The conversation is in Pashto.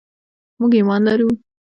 موږ ایمان لرو.